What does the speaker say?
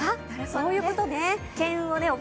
そういうことね。